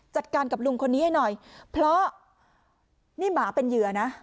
จัดการกับลุงคนนี้ให้หน่อยเพราะนี่หมาเป็นเหยื่อนะ